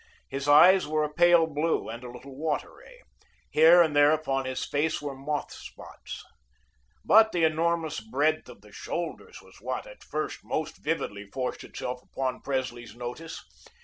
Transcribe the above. His eyes were a pale blue, and a little watery; here and there upon his face were moth spots. But the enormous breadth of the shoulders was what, at first, most vividly forced itself upon Presley's notice.